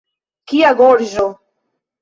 Kia gorĝo!